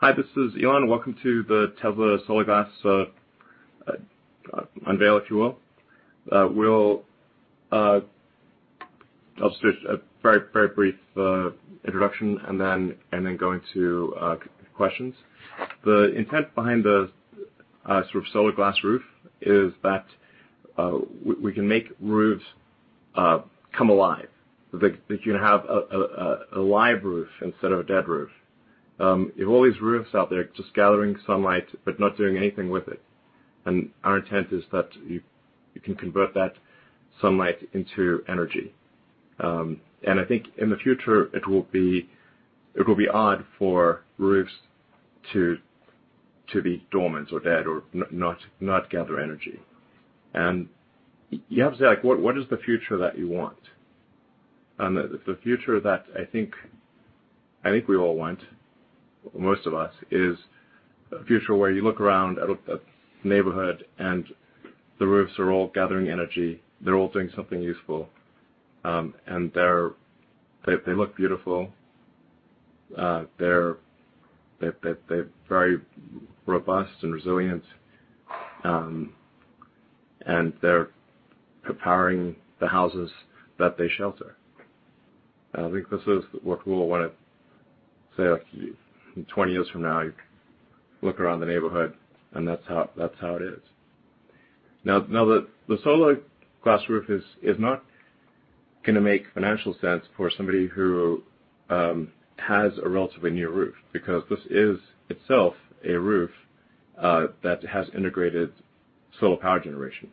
Hi, this is Elon. Welcome to the Tesla Solar Glass unveil, if you will. I'll start with a very brief introduction and then go into questions. The intent behind the Solar Glass roof is that we can make roofs come alive, that you have a live roof instead of a dead roof. You have all these roofs out there just gathering sunlight but not doing anything with it, and our intent is that you can convert that sunlight into energy. I think in the future, it will be odd for roofs to be dormant or dead or not gather energy. You have to say, what is the future that you want? The future that I think we all want, most of us, is a future where you look around at a neighborhood and the roofs are all gathering energy. They're all doing something useful, and they look beautiful. They're very robust and resilient, and they're powering the houses that they shelter. I think this is what we want to say, like, 20 years from now, you look around the neighborhood, and that's how it is. Now, the Solar Roof is not going to make financial sense for somebody who has a relatively new roof because this is itself a roof that has integrated solar power generation.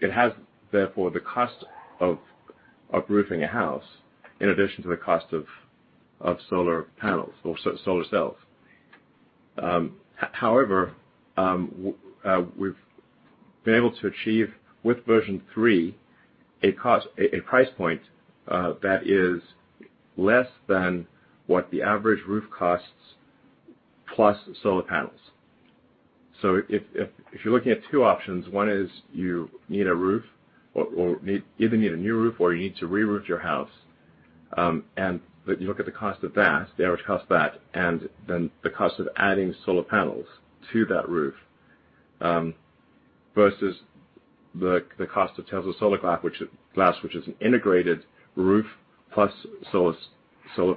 It has, therefore, the cost of roofing a house in addition to the cost of solar panels or solar cells. We've been able to achieve with V3 a price point that is less than what the average roof costs plus solar panels. If you're looking at two options, one is you need a roof or either need a new roof or you need to reroof your house, and you look at the cost of that, the average cost of that, and then the cost of adding solar panels to that roof versus the cost of Tesla Solar Glass, which is an integrated roof plus solar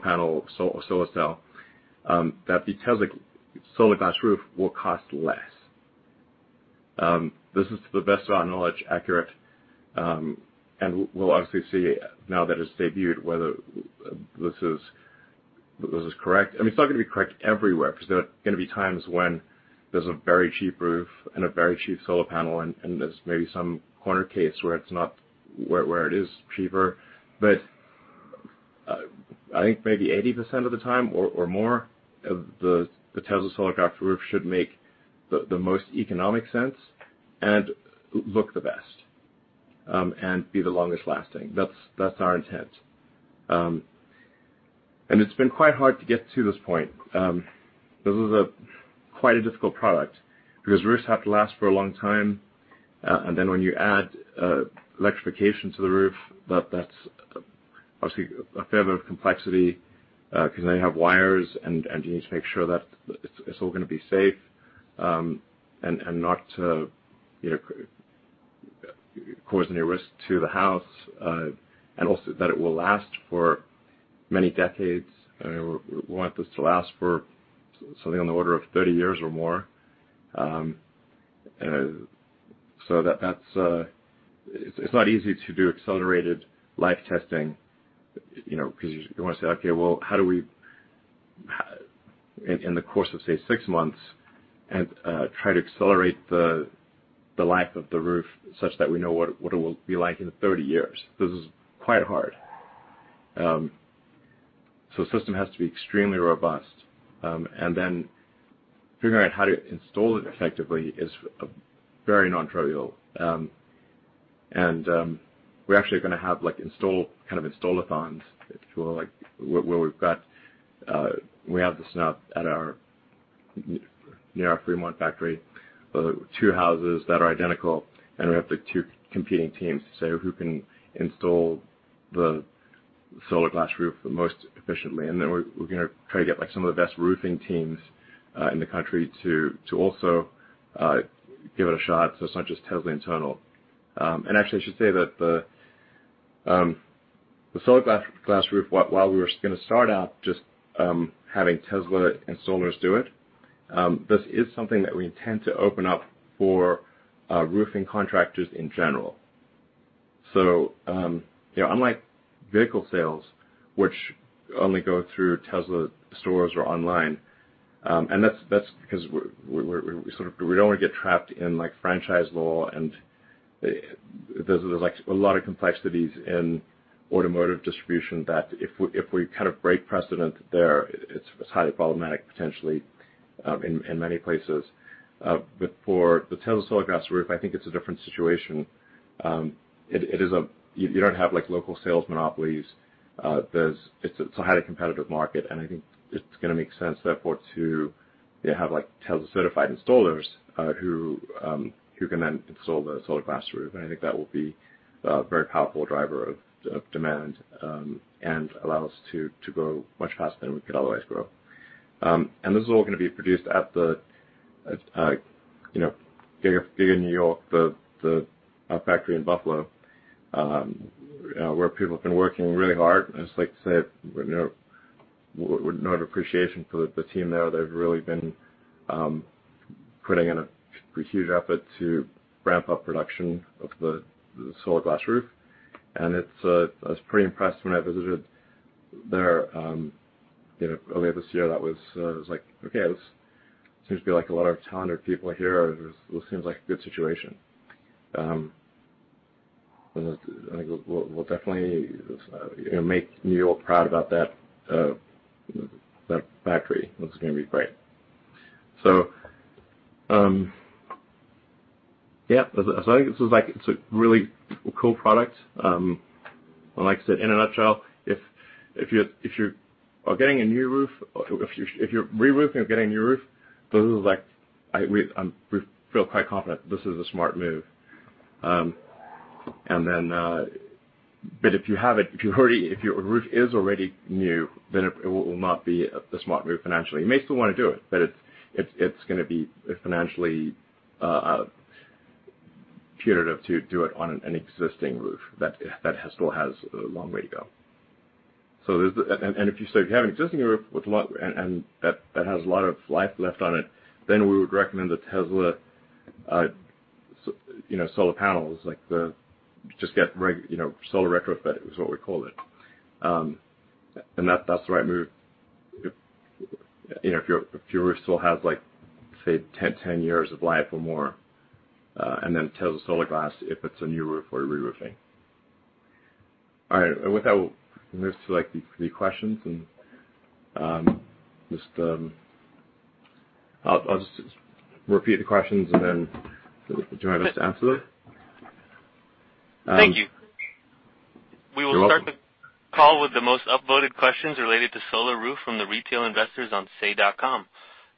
panel, solar cell, that the Tesla Solar Glass roof will cost less. This is, to the best of our knowledge, accurate, and we'll obviously see now that it's debuted, whether this is correct. It's not going to be correct everywhere because there are going to be times when there's a very cheap roof and a very cheap solar panel and there's maybe some corner case where it is cheaper. I think maybe 80% of the time or more, the Tesla Solar Roof should make the most economic sense and look the best, and be the longest lasting. That's our intent. It's been quite hard to get to this point. This is quite a difficult product because roofs have to last for a long time, and then when you add electrification to the roof, that's obviously a fair bit of complexity because now you have wires and you need to make sure that it's all going to be safe and not cause any risk to the house and also that it will last for many decades. We want this to last for something on the order of 30 years or more. It's not easy to do accelerated life testing because you want to say, okay, well, how do we, in the course of, say, six months, try to accelerate the life of the roof such that we know what it will be like in 30 years? This is quite hard. The system has to be extremely robust, and then figuring out how to install it effectively is very non-trivial. We're actually going to have install-a-thons, if you will, where we have this now near our Fremont factory, two houses that are identical, and we have the two competing teams to say who can install the Solar Glass Roof the most efficiently. Then we're going to try to get some of the best roofing teams in the country to also give it a shot, so it's not just Tesla internal. Actually, I should say that the Solar Glass Roof, while we were going to start out just having Tesla and SolarCity do it, this is something that we intend to open up for roofing contractors in general. Unlike vehicle sales, which only go through Tesla stores or online, and that's because we don't want to get trapped in franchise law and there's a lot of complexities in automotive distribution that if we break precedent there, it's highly problematic potentially in many places. For the Tesla Solar Glass Roof, I think it's a different situation. You don't have local sales monopolies. It's a highly competitive market. I think it's going to make sense, therefore, you have Tesla-certified installers who can then install the Solar Glass Roof, and I think that will be a very powerful driver of demand and allow us to grow much faster than we could otherwise grow. This is all going to be produced at the bigger New York, the factory in Buffalo, where people have been working really hard. I'd just like to say note of appreciation for the team there. They've really been putting in a huge effort to ramp up production of the Solar Glass Roof. I was pretty impressed when I visited there earlier this year. That was like, okay, there seems to be a lot of talented people here. This seems like a good situation. I think we'll definitely make New York proud about that factory. It's going to be great. Yeah. I think this is a really cool product. Like I said, in a nutshell, if you are getting a new roof, if you're reroofing or getting a new roof, this is, like, I feel quite confident this is a smart move. If your roof is already new, it will not be a smart move financially. You may still want to do it, but it's going to be financially punitive to do it on an existing roof that still has a long way to go. If you still have an existing roof and that has a lot of life left on it, we would recommend the Tesla solar panels. Just get solar retrofit is what we call it. That's the right move if your roof still has, say, 10 years of life or more, and then Tesla Solar Glass, if it's a new roof or reroofing. All right. With that, we'll move to the questions, and I'll just repeat the questions and then do you want me to answer them? Thank you. You're welcome. We will start the call with the most upvoted questions related to Solar Roof from the retail investors on say.com.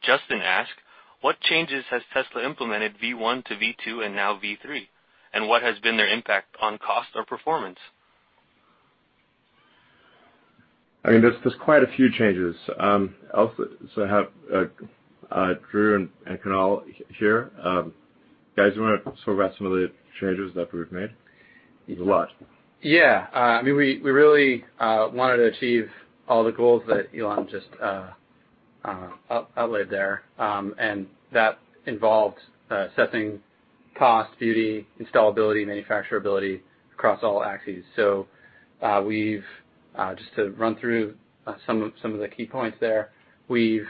Justin asked, "What changes has Tesla implemented V1 to V2 and now V3, and what has been their impact on cost or performance? I mean, there's quite a few changes. I have Drew and Kunal here. Guys, do you want to talk about some of the changes that we've made? There's a lot. Yeah. We really wanted to achieve all the goals that Elon just outlined there. That involved assessing cost, beauty, installability, manufacturability across all axes. Just to run through some of the key points there, we've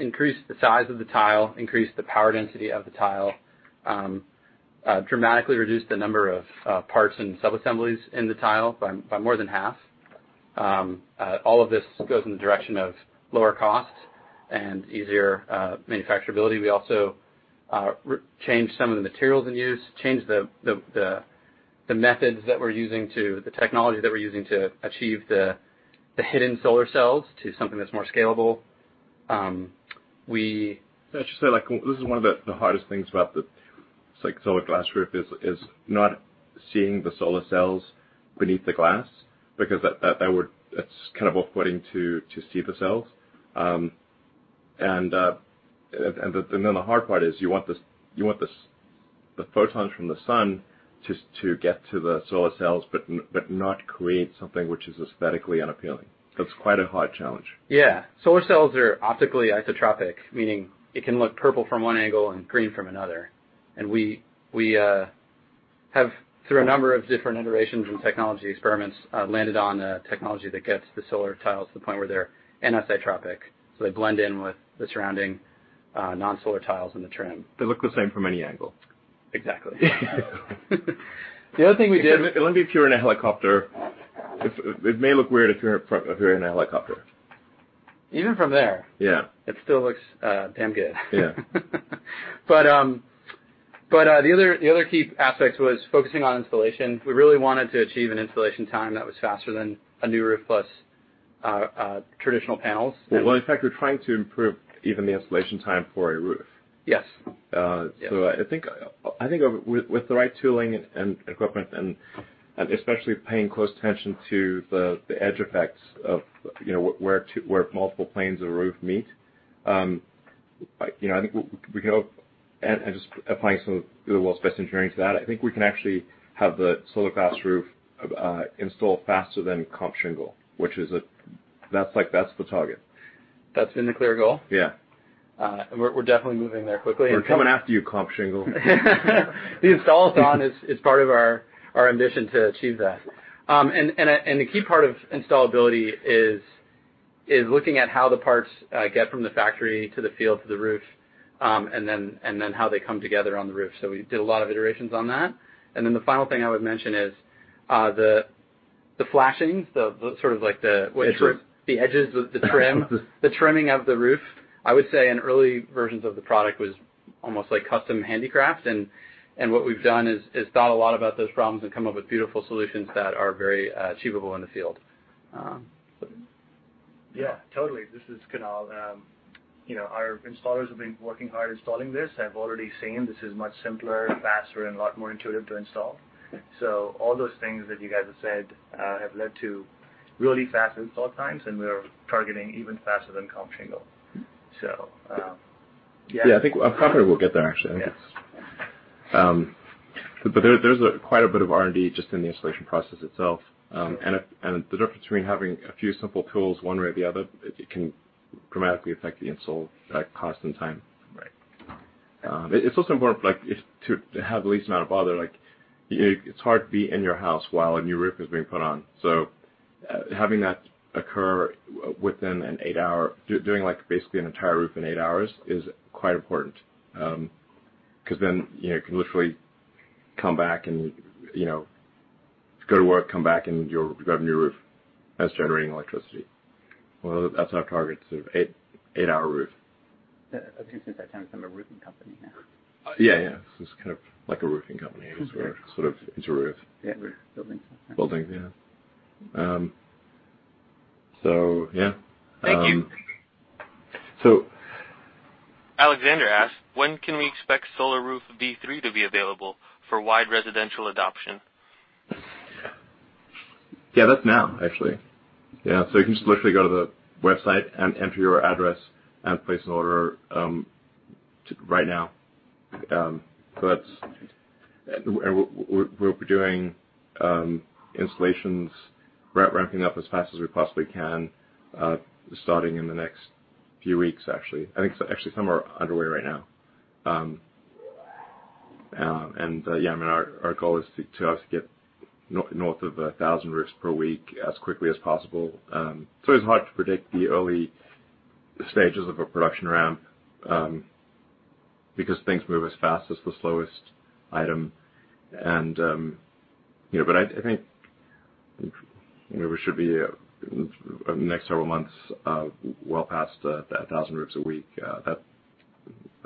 increased the size of the tile, increased the power density of the tile, dramatically reduced the number of parts and subassemblies in the tile by more than half. All of this goes in the direction of lower cost and easier manufacturability. We also changed some of the materials in use, changed the methods that we're using, the technology that we're using to achieve the hidden solar cells to something that's more scalable. I should say, this is one of the hardest things about the Solar Glass Roof is not seeing the solar cells beneath the glass, because it's kind of off-putting to see the cells. The hard part is you want the photons from the sun to get to the solar cells, but not create something which is aesthetically unappealing. It's quite a hard challenge. Yeah. Solar cells are optically isotropic, meaning it can look purple from one angle and green from another. We have, through a number of different iterations and technology experiments, landed on a technology that gets the solar tiles to the point where they're anisotropic, so they blend in with the surrounding non-solar tiles and the trim. They look the same from any angle. Exactly. Only if you're in a helicopter. It may look weird if you're in a helicopter. Even from there- Yeah it still looks damn good. Yeah. The other key aspect was focusing on installation. We really wanted to achieve an installation time that was faster than a new roof plus traditional panels. Well, in fact, we're trying to improve even the installation time for a roof. Yes. I think with the right tooling and equipment, and especially paying close attention to the edge conditions of where multiple planes of the roof meet, and just applying some of the world's best engineering to that, I think we can actually have the Solar Roof installed faster than comp shingle, that's the target. That's been the clear goal. Yeah. We're definitely moving there quickly. We're coming after you, comp shingle. The install-a-thon is part of our ambition to achieve that. The key part of installability is looking at how the parts get from the factory to the field to the roof, and then how they come together on the roof. We did a lot of iterations on that. The final thing I would mention is the flashings. Edges the edges, the trim, the trimming of the roof, I would say in early versions of the product, was almost like custom handicrafts. What we've done is thought a lot about those problems and come up with beautiful solutions that are very achievable in the field. Yeah, totally. This is Kunal. Our installers have been working hard installing this. We have already seen this is much simpler, faster, and a lot more intuitive to install. All those things that you guys have said have led to really fast install times, and we're targeting even faster than comp shingle. Yeah. Yeah, I think probably we'll get there, actually. Yeah. There's quite a bit of R&D just in the installation process itself. The difference between having a few simple tools, one way or the other, it can dramatically affect the install, cost and time. Right. It's also important to have the least amount of bother. It's hard to be in your house while a new roof is being put on. Having that occur doing basically an entire roof in eight hours is quite important. You can literally go to work, come back, and you have a new roof that's generating electricity. Well, that's our target, sort of eight-hour roof. Okay, since that comes from a roofing company now. Yeah. It's kind of like a roofing company. It's a roof. Yeah. We're building things now. Building, yeah. Yeah. Thank you. So Alexander asked, "When can we expect Solar Roof V3 to be available for wide residential adoption? Yeah, that's now, actually. Yeah. You can just literally go to the website and enter your address and place an order right now. We're doing installations, ramping up as fast as we possibly can, starting in the next few weeks, actually. I think actually some are underway right now. Yeah, our goal is to obviously get north of 1,000 roofs per week as quickly as possible. It's always hard to predict the early stages of a production ramp, because things move as fast as the slowest item. I think we should be, in the next several months, well past 1,000 roofs a week.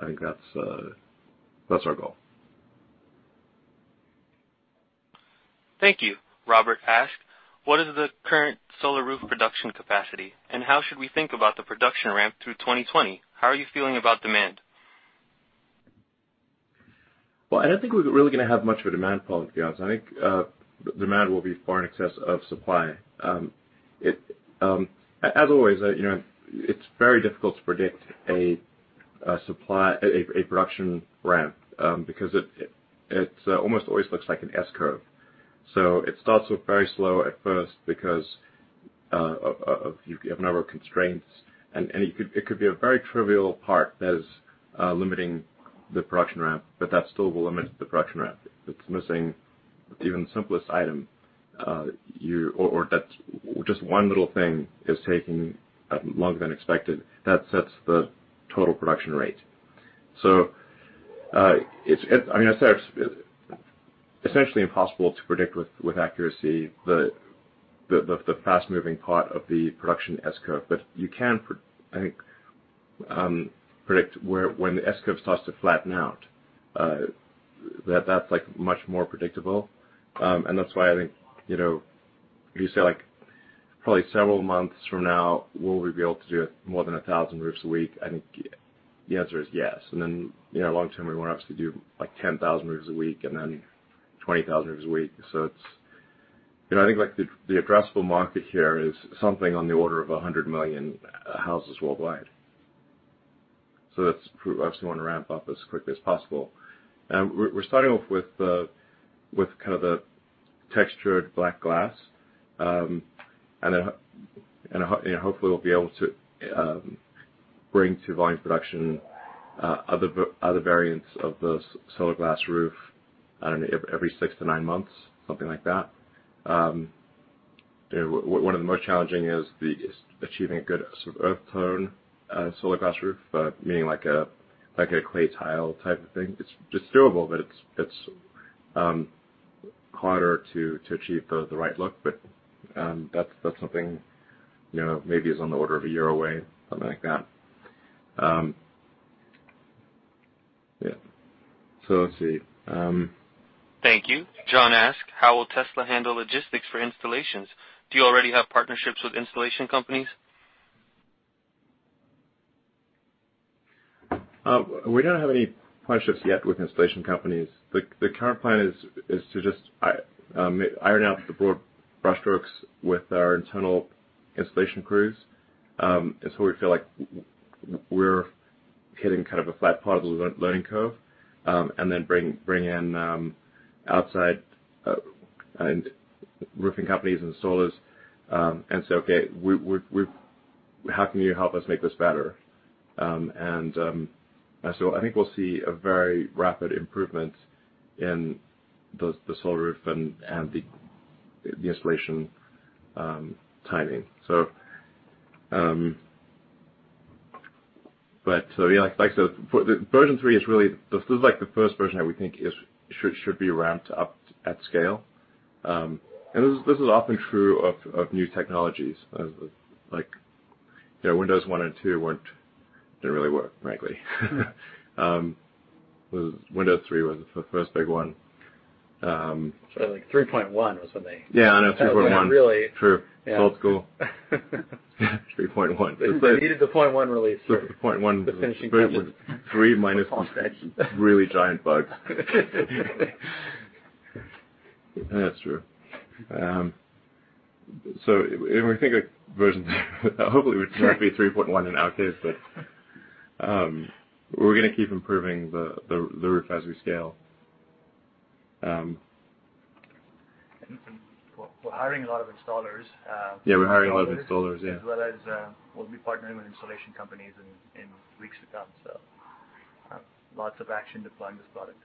I think that's our goal. Thank you. Robert asked, "What is the current Solar Roof production capacity, and how should we think about the production ramp through 2020? How are you feeling about demand? Well, I don't think we're really going to have much of a demand problem, to be honest. I think demand will be far in excess of supply. As always, it's very difficult to predict a production ramp, because it almost always looks like an S curve. It starts off very slow at first because of you have a number of constraints, and it could be a very trivial part that is limiting the production ramp, but that still will limit the production ramp. If it's missing even the simplest item, or just one little thing is taking longer than expected, that sets the total production rate. It's essentially impossible to predict with accuracy the fast-moving part of the production S curve. You can, I think, predict when the S curve starts to flatten out. That's much more predictable. That's why I think, if you say, probably several months from now will we be able to do more than 1,000 roofs a week? I think the answer is yes. Long term, we want to obviously do 10,000 roofs a week, then 20,000 roofs a week. I think the addressable market here is something on the order of 100 million houses worldwide. Obviously we want to ramp up as quickly as possible. We're starting off with the textured black glass. Hopefully we'll be able to bring to volume production other variants of the Solar Roof, I don't know, every 6-9 months, something like that. One of the most challenging is achieving a good earth tone Solar Roof, meaning like a clay tile type of thing. It's doable, but it's harder to achieve the right look. That's something maybe is on the order of a year away, something like that. Yeah. Let's see. Thank you. John asked, "How will Tesla handle logistics for installations? Do you already have partnerships with installation companies? We don't have any partnerships yet with installation companies. The current plan is to just iron out the broad brushstrokes with our internal installation crews, until we feel like we're hitting a flat part of the learning curve, and then bring in outside roofing companies and solars and say, "Okay, how can you help us make this better?" I think we'll see a very rapid improvement in the Solar Roof and the installation timing. Version 3 is really the first version that we think should be ramped up at scale. This is often true of new technologies, like Windows 1 and 2 didn't really work, frankly. Windows 3 was the first big one. Sorry, 3.1 was. Yeah, no, 3.1. kind of went, really- True. Old school. 3.1. They needed the .1 release. The .1- The finishing touches. was three minus really giant bugs. That's true. When we think of versions, hopefully it would not be 3.1 in our case, but we're going to keep improving the roof as we scale. We're hiring a lot of installers. Yeah, we're hiring a lot of installers, yeah. We'll be partnering with installation companies in weeks to come. Lots of action deploying this product.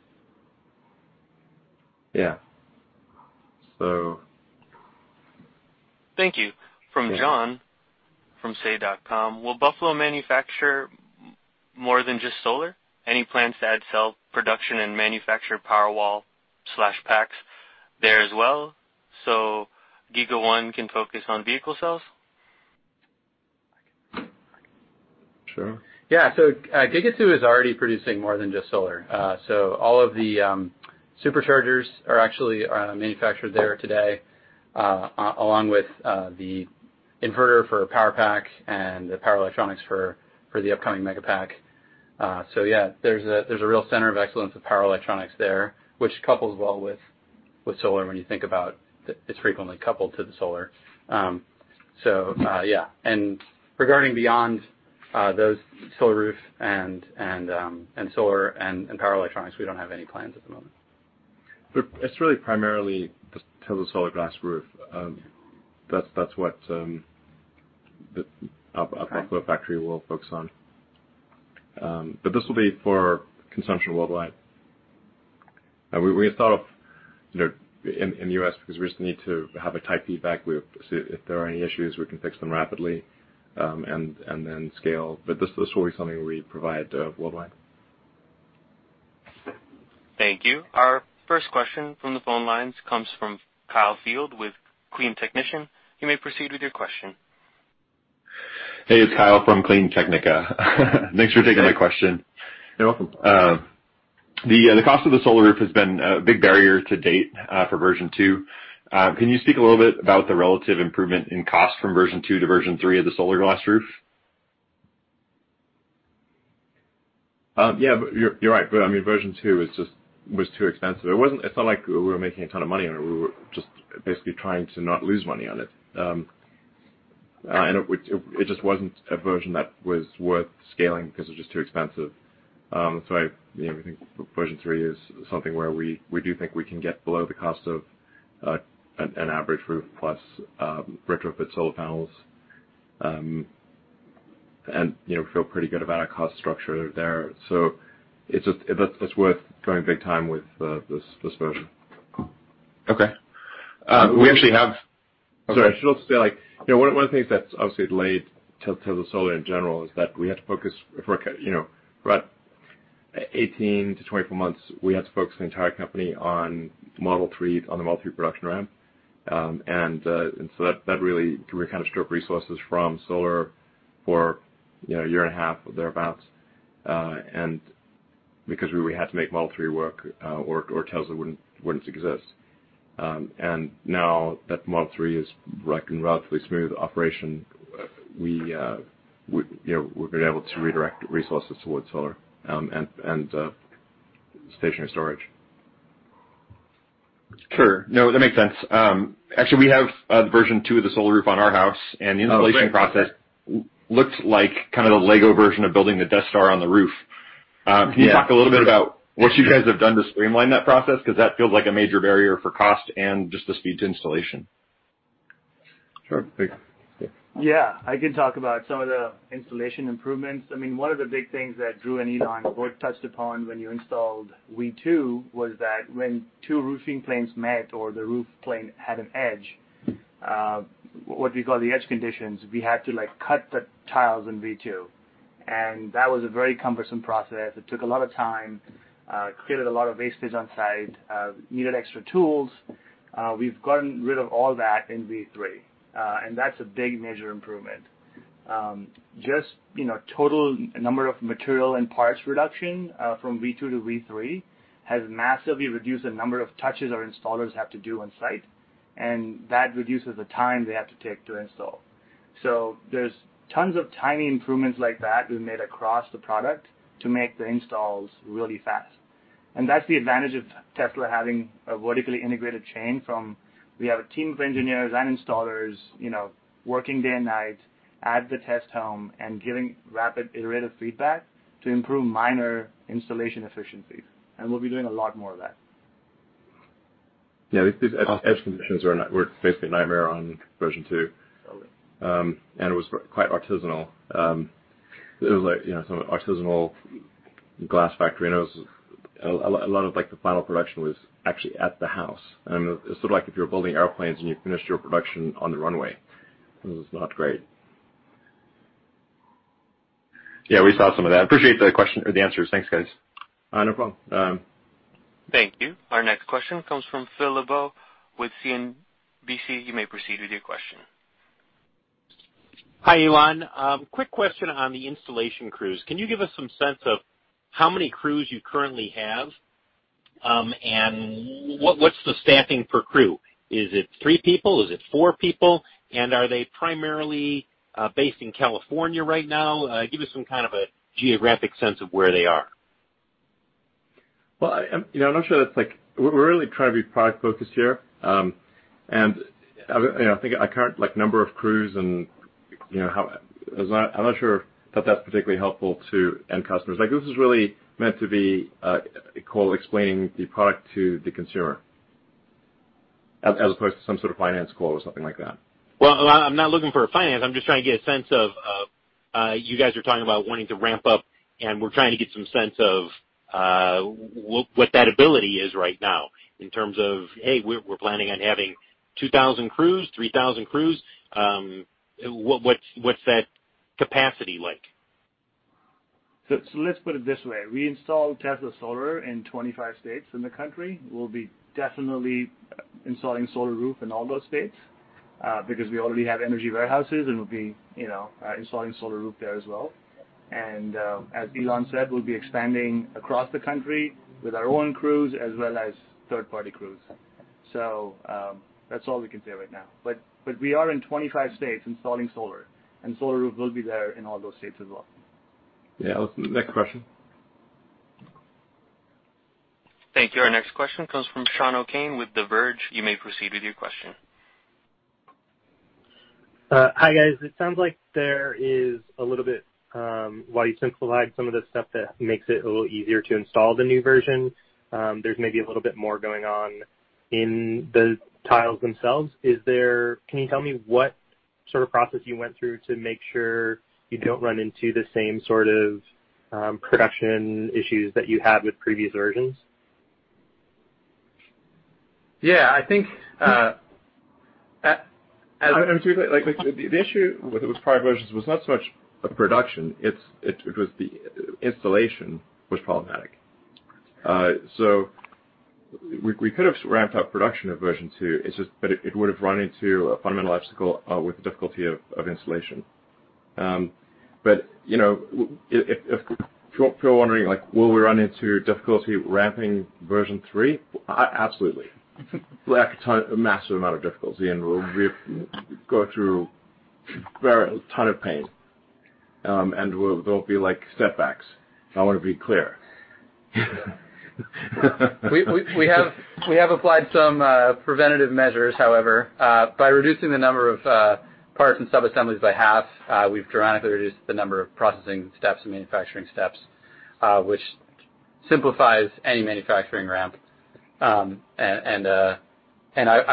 Yeah. Thank you. From John from say.com, will Buffalo manufacture more than just solar? Any plans to add cell production and manufacture Powerwall/Packs there as well, so Giga One can focus on vehicle cells? Sure. Yeah. Giga Two is already producing more than just solar. All of the Superchargers are actually manufactured there today, along with the inverter for Powerpack and the power electronics for the upcoming Megapack. Yeah, there's a real center of excellence of power electronics there, which couples well with solar when you think about it's frequently coupled to the solar. Yeah. Regarding beyond those Solar Roof and solar and power electronics, we don't have any plans at the moment. It's really primarily the solar glass roof. That's what our Buffalo factory will focus on. This will be for consumption worldwide. We thought of in the U.S., because we just need to have a tight feedback loop, so if there are any issues, we can fix them rapidly, and then scale. This will be something we provide worldwide. Thank you. Our first question from the phone lines comes from Kyle Field with CleanTechnica. You may proceed with your question. Hey, it's Kyle from CleanTechnica. Thanks for taking my question. You're welcome. The cost of the solar roof has been a big barrier to date for version 2. Can you speak a little bit about the relative improvement in cost from version 2 to version 3 of the solar glass roof? Yeah. You're right. Version 2 was too expensive. It's not like we were making a ton of money on it. We were just basically trying to not lose money on it. It just wasn't a version that was worth scaling because it was just too expensive. I think version 3 is something where we do think we can get below the cost of an average roof plus retrofit solar panels. We feel pretty good about our cost structure there. It's worth going big time with this version. Okay. Sorry, I should also say, one of the things that's obviously delayed Tesla Solar in general is that we had to focus for about 18 to 24 months, we had to focus the entire company on the Model 3 production ramp. That really kind of stripped resources from solar for a year and a half or thereabouts, because we had to make Model 3 work or Tesla wouldn't exist. Now that Model 3 is in relatively smooth operation, we've been able to redirect resources towards solar and stationary storage. Sure. No, that makes sense. Actually, we have version 2 of the Solar Roof on our house and the. Oh, great. installation process looked like the LEGO version of building the Death Star on the roof. Yeah. Can you talk a little bit about what you guys have done to streamline that process? That feels like a major barrier for cost and just the speed to installation. Sure. Yeah, I can talk about some of the installation improvements. One of the big things that Drew and Elon both touched upon when you installed V2 was that when two roofing planes met or the roof plane had an edge, what we call the edge conditions, we had to cut the tiles in V2. That was a very cumbersome process. It took a lot of time, created a lot of wastage on site, needed extra tools. We've gotten rid of all that in V3, and that's a big major improvement. Just total number of material and parts reduction from V2 to V3 has massively reduced the number of touches our installers have to do on site, and that reduces the time they have to take to install. There's tons of tiny improvements like that we've made across the product to make the installs really fast. That's the advantage of Tesla having a vertically integrated chain from, we have a team of engineers and installers working day and night at the test home and giving rapid iterative feedback to improve minor installation efficiencies. We'll be doing a lot more of that. Yeah. These edge conditions were basically a nightmare on V2. Oh, yeah. It was quite artisanal. It was like some artisanal glass factory, and a lot of the final production was actually at the house. It's sort of like if you're building airplanes and you finished your production on the runway. It was not great. Yeah, we saw some of that. Appreciate the answers. Thanks, guys. No problem. Thank you. Our next question comes from Phil LeBeau with CNBC. You may proceed with your question. Hi, Elon. Quick question on the installation crews. Can you give us some sense of how many crews you currently have, and what's the staffing per crew? Is it three people? Is it four people? Are they primarily based in California right now? Give us some kind of a geographic sense of where they are. I'm not sure that's like We're really trying to be product-focused here. I think, our current number of crews and how I'm not sure that's particularly helpful to end customers. This is really meant to be a call explaining the product to the consumer, as opposed to some sort of finance call or something like that. Well, I'm not looking for a finance, I'm just trying to get a sense of, you guys are talking about wanting to ramp up, and we're trying to get some sense of what that ability is right now in terms of, hey, we're planning on having 2,000 crews, 3,000 crews. What's that capacity like? Let's put it this way. We install Tesla Solar in 25 states in the country. We'll be definitely installing Solar Roof in all those states, because we already have energy warehouses, and we'll be installing Solar Roof there as well. As Elon said, we'll be expanding across the country with our own crews as well as third-party crews. That's all we can say right now. We are in 25 states installing solar, and Solar Roof will be there in all those states as well. Yeah. Next question. Thank you. Our next question comes from Sean O'Kane with The Verge. You may proceed with your question. Hi, guys. It sounds like there is a little bit, while you simplified some of the stuff that makes it a little easier to install the new version, there's maybe a little bit more going on in the tiles themselves. Can you tell me what sort of process you went through to make sure you don't run into the same sort of production issues that you had with previous versions? Yeah, I think- To be clear, the issue with those prior versions was not so much the production, it was the installation was problematic. We could've ramped up production of version two, but it would've run into a fundamental obstacle with the difficulty of installation. If people are wondering, will we run into difficulty ramping version three? Absolutely. A massive amount of difficulty, and we'll go through a ton of pain. There'll be setbacks. I want to be clear. We have applied some preventative measures, however. By reducing the number of parts and sub-assemblies by half, we've dramatically reduced the number of processing steps and manufacturing steps, which simplifies any manufacturing ramp. I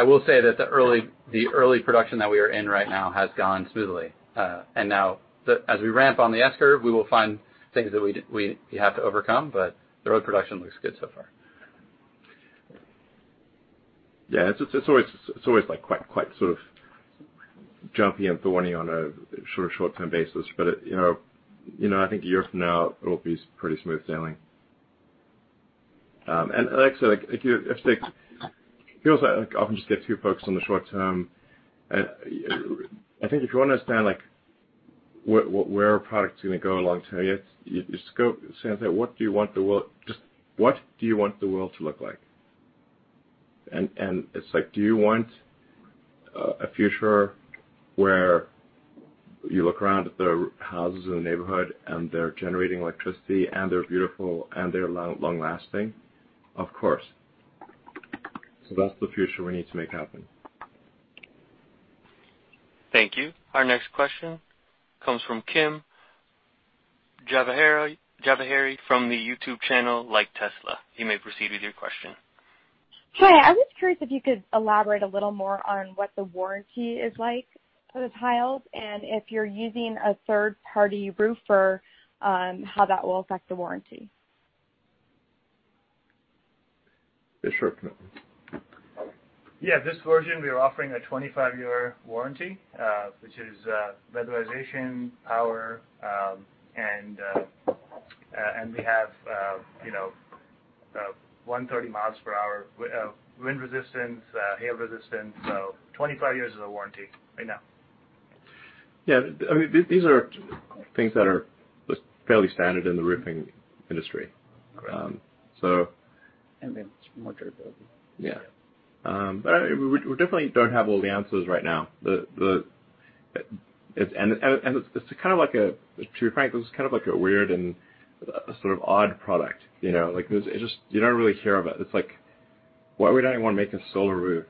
will say that the early production that we are in right now has gone smoothly. Now, as we ramp on the S-curve, we will find things that we have to overcome, but the road production looks good so far. Yeah. It's always quite sort of jumpy and thorny on a short-term basis. I think a year from now it'll be pretty smooth sailing. Like I said, it feels like we often just get too focused on the short term. I think if you want to understand where a product's going to go long term, you scope and say, "What do you want the world to look like?" It's like, do you want a future where you look around at the houses in the neighborhood and they're generating electricity and they're beautiful and they're long-lasting? Of course. That's the future we need to make happen. Thank you. Our next question comes from Kim Java from the YouTube channel Like Tesla. You may proceed with your question. Hi. I was curious if you could elaborate a little more on what the warranty is like for the tiles, and if you're using a third-party roofer, how that will affect the warranty. Sure. Yeah. This version, we are offering a 25-year warranty, which is weatherization, power, and we have 130 miles per hour wind resistance, hail resistance. 25 years is our warranty right now. Yeah. These are things that are just fairly standard in the roofing industry. Correct. So More durability. Yeah. We definitely don't have all the answers right now. To be frank, this is kind of like a weird and sort of odd product. You don't really hear of it. It's like, why would anyone want to make a Solar Roof?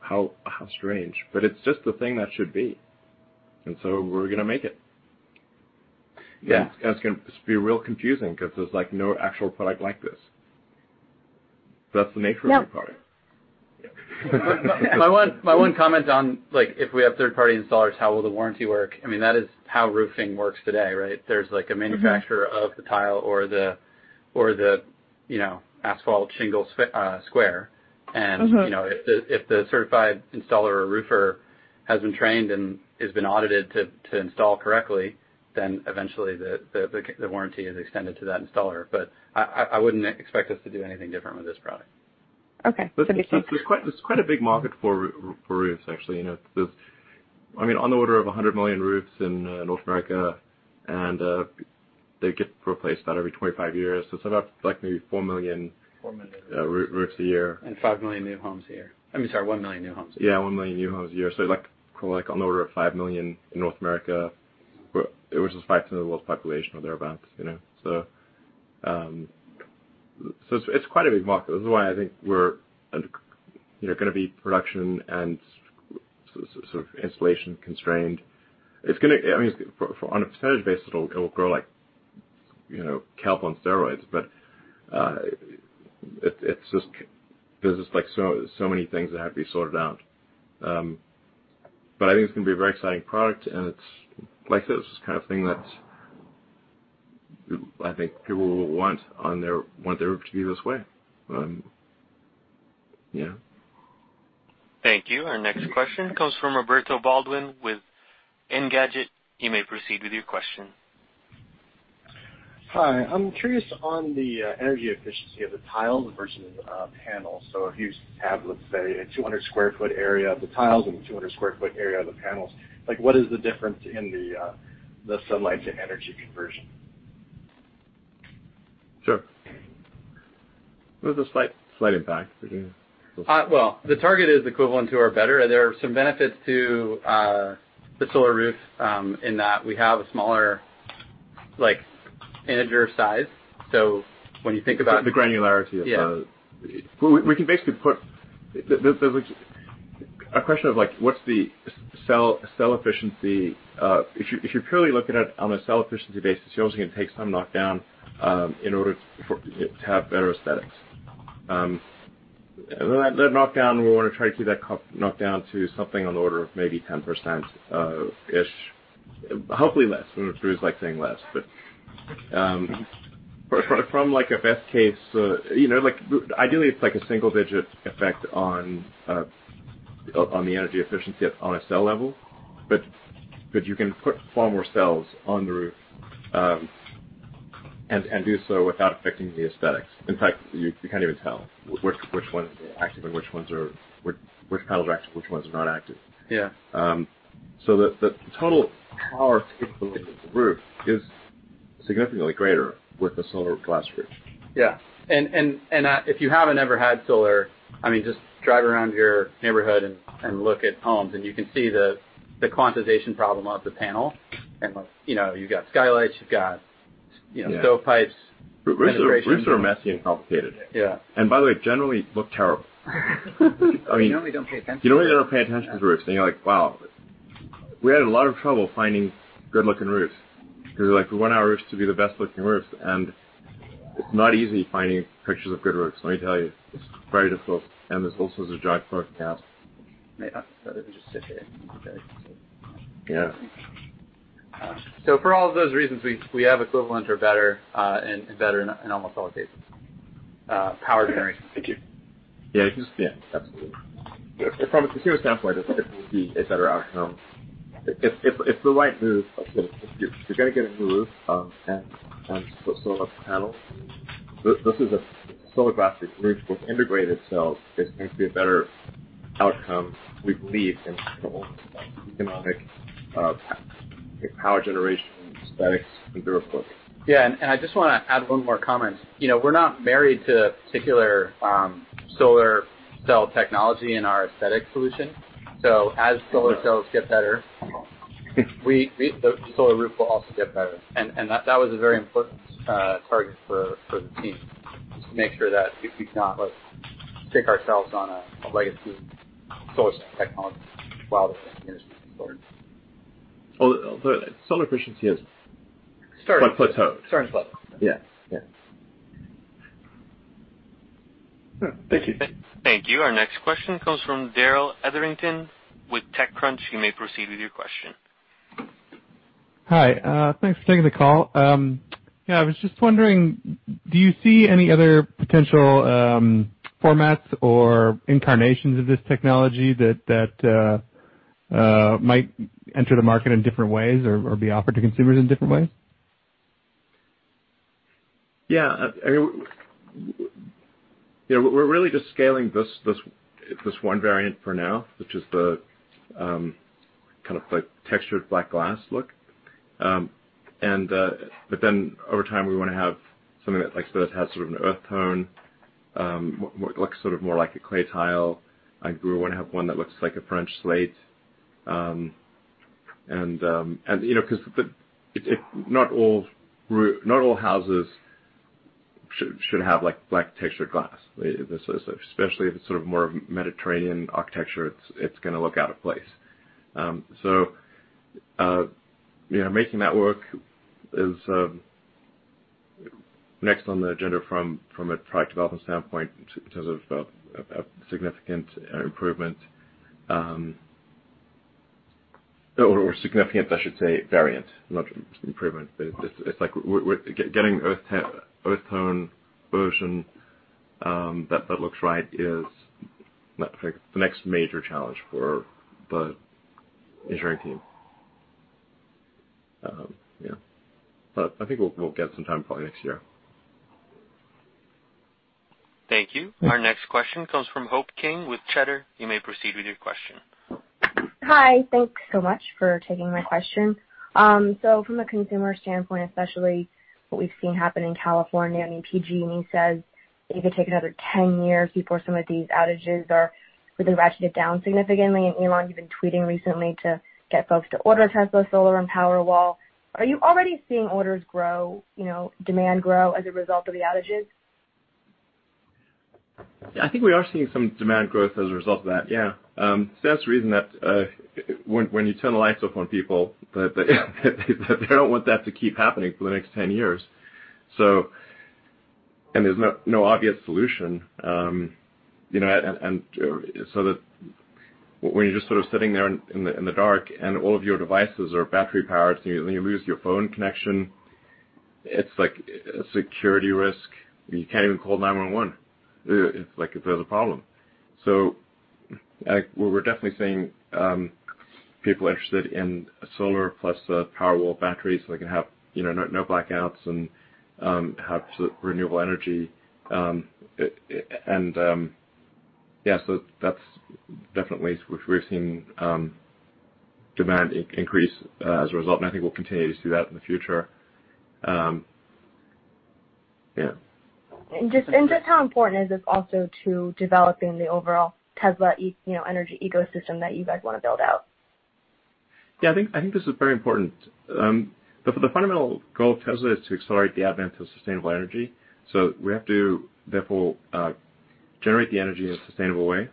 How strange. It's just the thing that should be. We're going to make it. Yeah. It's going to be real confusing, because there's no actual product like this. That's the nature of the product. Yeah. My one comment on if we have third-party installers, how will the warranty work? That is how roofing works today, right? There's a manufacturer of the tile or the asphalt shingle square. If the certified installer or roofer has been trained and has been audited to install correctly, then eventually the warranty is extended to that installer. I wouldn't expect us to do anything different with this product. Okay. Thank you. There's quite a big market for roofs, actually. There's on the order of 100 million roofs in North America, and they get replaced about every 25 years. It's about maybe 4 million. 4 million roofs a year. 5 million new homes a year. I mean, sorry, 1 million new homes a year. Yeah, 1 million new homes a year. On the order of 5 million in North America, which is 5% of the world's population or thereabout. It's quite a big market. This is why I think we're going to be production and sort of installation constrained. On a percentage basis, it'll grow like kelp on steroids, but there's just so many things that have to be sorted out. I think it's going to be a very exciting product, and it's like this. It's the kind of thing that I think people will want their roof to be this way. Yeah. Thank you. Our next question comes from Roberto Baldwin with Engadget. You may proceed with your question. Hi. I'm curious on the energy efficiency of the tiles versus panels. If you have, let's say, a 200 sq ft area of the tiles and a 200 sq ft area of the panels, what is the difference in the sunlight to energy conversion? Sure. There's a slight impact. Well, the target is equivalent to or better. There are some benefits to the Solar Roof in that we have a smaller integer size. The granularity of Yeah. A question of what's the cell efficiency. If you're purely looking at it on a cell efficiency basis, you're obviously going to take some knockdown in order to have better aesthetics. That knockdown, we want to try to keep that knockdown to something on the order of maybe 10%-ish. Hopefully less. Drew's saying less. From a best case, ideally, it's a single-digit effect on the energy efficiency on a cell level. You can put far more cells on the roof, and do so without affecting the aesthetics. In fact, you can't even tell which tiles are active and which ones are not active. Yeah. The total power capability of the roof is significantly greater with the Solar Roof. Yeah. If you haven't ever had solar, just drive around your neighborhood and look at homes and you can see the quantization problem of the panel. You've got skylights, you've got stove pipes. Roofs are messy and complicated. Yeah. By the way, generally look terrible. You normally don't pay attention to them. You normally don't pay attention to roofs, then you're like, "Wow." We had a lot of trouble finding good-looking roofs, because we want our roofs to be the best-looking roofs. It's not easy finding pictures of good roofs, let me tell you. It's very difficult. It's also the job of Maybe just sit here. Yeah. For all of those reasons, we have equivalent or better in almost all cases, power generation. Thank you. Yeah. Absolutely. From a consumer standpoint, it will be a better outcome. If the right move, if you're going to get a new roof and put solar panels, this is a solar glass roof with integrated cells, it's going to be a better outcome, we believe, in terms of economic power generation, aesthetics, and durability. Yeah. I just want to add one more comment. We're not married to a particular solar cell technology in our aesthetic solution. As solar cells get better, the Solar Roof will also get better. That was a very important target for the team, just to make sure that we do not take ourselves on a legacy solar cell technology while the industry moves forward. Solar efficiency has- Started like plateaued. Starting to plateau. Yeah. Thank you. Thank you. Our next question comes from Darrell Etherington with TechCrunch. You may proceed with your question. Hi. Thanks for taking the call. I was just wondering, do you see any other potential formats or incarnations of this technology that might enter the market in different ways or be offered to consumers in different ways? Yeah. We're really just scaling this one variant for now, which is the textured black glass look. Over time, we want to have something that has sort of an earth tone, looks sort of more like a clay tile. We want to have one that looks like a French slate. Not all houses should have black textured glass. Especially if it's more of Mediterranean architecture, it's going to look out of place. Making that work is next on the agenda from a product development standpoint in terms of a significant improvement. Significant, I should say, variant, not improvement. It's like we're getting earth tone version that looks right is the next major challenge for the engineering team. Yeah. I think we'll get some time probably next year. Thank you. Our next question comes from Hope King with Cheddar. You may proceed with your question. Hi. Thanks so much for taking my question. From a consumer standpoint, especially what we've seen happen in California, I mean, PG&E says it could take another 10 years before some of these outages are ratcheted down significantly. Elon, you've been tweeting recently to get folks to order Tesla Solar and Powerwall. Are you already seeing orders grow, demand grow as a result of the outages? I think we are seeing some demand growth as a result of that. It stands to reason that when you turn the lights off on people, they don't want that to keep happening for the next 10 years. There's no obvious solution. When you're just sort of sitting there in the dark and all of your devices are battery powered, so then you lose your phone connection, it's like a security risk. You can't even call 911 if there's a problem. We're definitely seeing people interested in solar plus the Powerwall batteries so they can have no blackouts and have renewable energy. That's definitely we've seen demand increase as a result, and I think we'll continue to see that in the future. Just how important is this also to developing the overall Tesla energy ecosystem that you guys want to build out? Yeah, I think this is very important. The fundamental goal of Tesla is to accelerate the advent of sustainable energy. We have to therefore generate the energy in a sustainable way,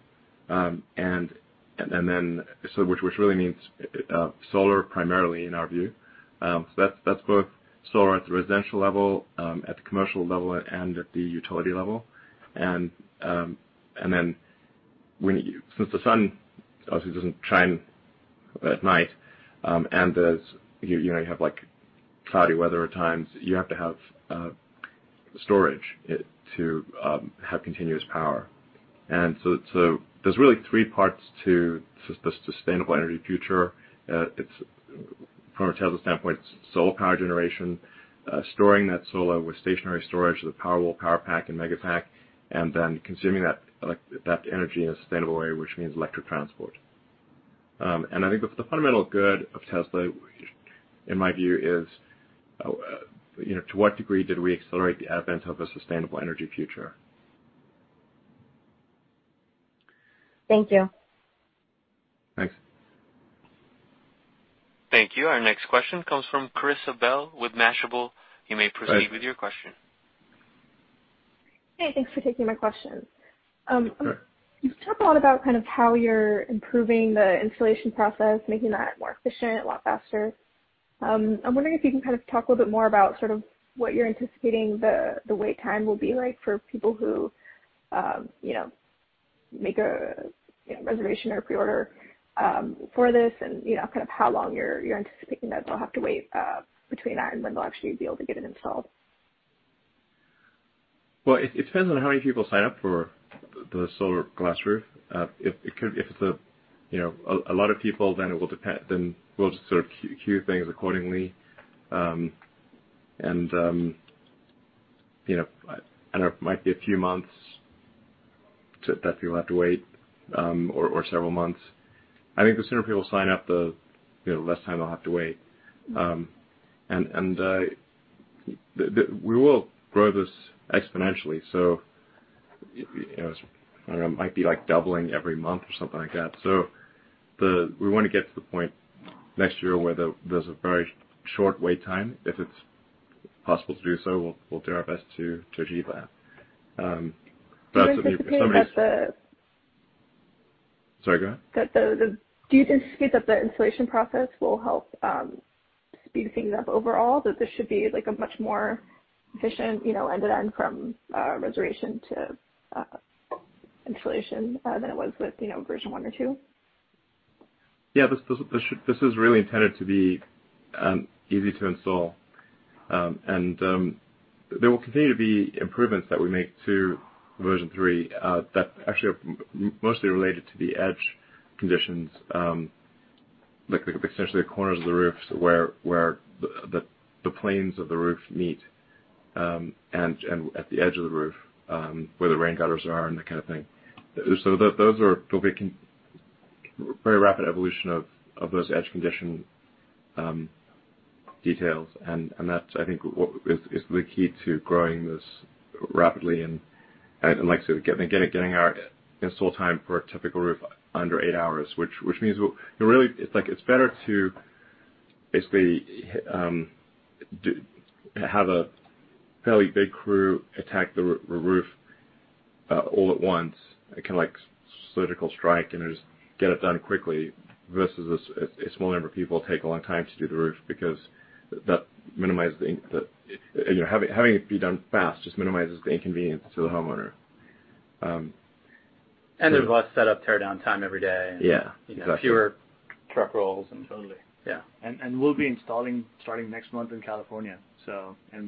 which really means solar primarily, in our view. That's both solar at the residential level, at the commercial level, and at the utility level. Since the sun obviously doesn't shine at night, and you have cloudy weather at times, you have to have storage to have continuous power. There's really three parts to the sustainable energy future. From a Tesla standpoint, it's solar power generation, storing that solar with stationary storage, the Powerwall, Powerpack, and Megapack, and then consuming that energy in a sustainable way, which means electric transport. I think the fundamental good of Tesla, in my view, is to what degree did we accelerate the advent of a sustainable energy future? Thank you. Thanks. Thank you. Our next question comes from Karissa Bell with Mashable. You may proceed with your question. Hey, thanks for taking my question. Sure. You've talked a lot about how you're improving the installation process, making that more efficient, a lot faster. I'm wondering if you can talk a little bit more about what you're anticipating the wait time will be like for people who make a reservation or preorder for this and how long you're anticipating that they'll have to wait between that and when they'll actually be able to get it installed? Well, it depends on how many people sign up for the Solar Roof. If it's a lot of people, we'll just sort of queue things accordingly. It might be a few months that people have to wait or several months. I think the sooner people sign up, the less time they'll have to wait. We will grow this exponentially. I don't know, it might be doubling every month or something like that. We want to get to the point next year where there's a very short wait time. If it's possible to do so, we'll do our best to achieve that. Do you anticipate that the? Sorry, go ahead. Do you anticipate that the installation process will help speed things up overall, that this should be a much more efficient end-to-end from reservation to installation than it was with version one or two? Yeah, this is really intended to be easy to install. There will continue to be improvements that we make to version three that actually are mostly related to the edge conditions, like essentially the corners of the roofs where the planes of the roof meet and at the edge of the roof, where the rain gutters are and that kind of thing. Those will be very rapid evolution of those edge condition details, and that's, I think, is the key to growing this rapidly and like I said, getting our install time for a typical roof under eight hours. Which means really, it's better to basically have a fairly big crew attack the roof all at once, kind of like surgical strike and just get it done quickly versus a small number of people take a long time to do the roof because having it be done fast just minimizes the inconvenience to the homeowner. There's less set up, tear down time every day. Yeah, exactly. Fewer truck rolls Totally. Yeah. We'll be installing starting next month in California.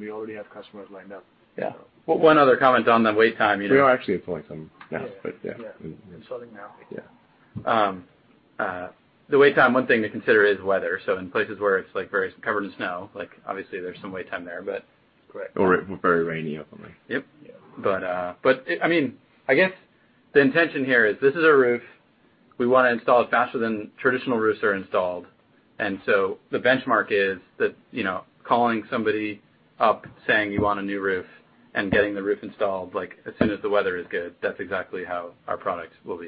We already have customers lined up. Yeah. One other comment on the wait time. We are actually installing some now, but yeah. Yeah. Installing now. Yeah. The wait time, one thing to consider is weather. In places where it's very covered in snow, obviously there's some wait time there. Very rainy, hopefully. Yep. I guess the intention here is this is a roof. We want to install it faster than traditional roofs are installed. The benchmark is that calling somebody up saying you want a new roof and getting the roof installed, as soon as the weather is good. That's exactly how our products will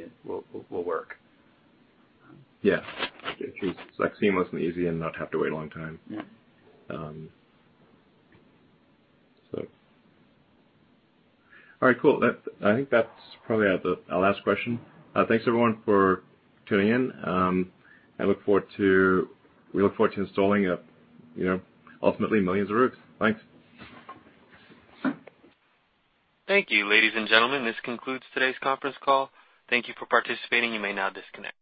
work. Yeah. It's like seamlessly easy and not have to wait a long time. Yeah. All right, cool. I think that's probably our last question. Thanks everyone for tuning in. We look forward to installing ultimately millions of roofs. Thanks. Thank you, ladies and gentlemen. This concludes today's conference call. Thank you for participating. You may now disconnect.